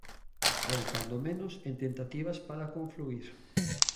Ou, cando menos, en tentativas para confluír.